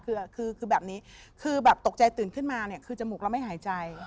คือคือแบบนี้คือแบบตกใจตื่นขึ้นมาเนี่ยคือจมูกเราไม่หายใจ